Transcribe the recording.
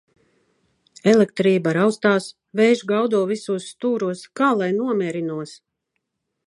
Elektrība raustās, vējš gaudo visos stūros. Kā lai nomierinos?